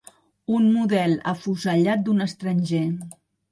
Un model afusellat d'un d'estranger.